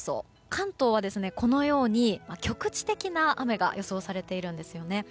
関東は局地的な雨が予想されているんですね。